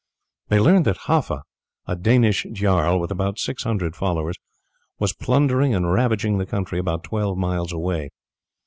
They learned that Haffa, a Danish jarl, with about 600 followers, was plundering and ravaging the country about twelve miles away.